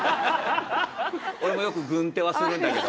俺もよく軍手はするんだけど。